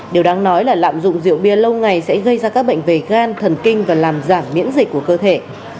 điều đáng nói là lạm dụng rượu bia lâu ngày sẽ gây ra các bệnh về gan thần kinh và làm giảm miễn dịch của cơ thể